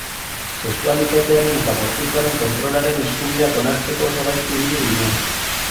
Sexualitatearen eta gorputzaren kontrolaren eskubideak onartzeko oso gaizki ibili ginen.